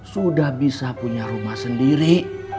sudah bisa punya rumah sendiri